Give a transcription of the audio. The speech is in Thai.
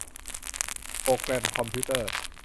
โปรแกรมคอมพิวเตอร์